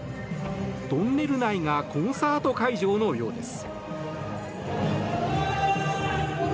トンネル内がコンサート会場のようです。